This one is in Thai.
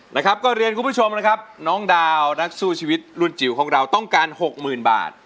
นะครับก็เรียนคุณผู้ชมนะครับน้องดาวนักสู้ชีวิตรุ่นจิ๋วของเราต้องการหกหมื่นบาท